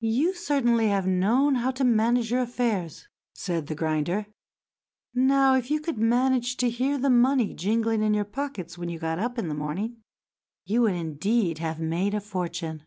"You certainly have known how to manage your affairs," said the grinder. "Now, if you could manage to hear the money jingling in your pockets when you got up in the morning, you would indeed have made your fortune."